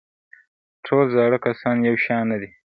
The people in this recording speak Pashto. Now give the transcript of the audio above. ټول زاړه کسان یو شان نه دي.